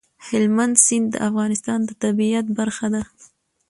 هلمند سیند د افغانستان د طبیعت برخه ده.